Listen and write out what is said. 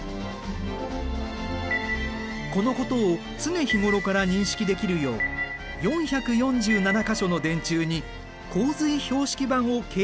このことを常日頃から認識できるよう４４７か所の電柱に洪水標識板を掲示しているんだ。